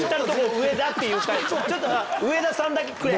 上田って「上田さん」だけくれ。